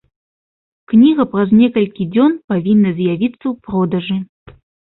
Кніга праз некалькі дзён павінна з'явіцца ў продажы.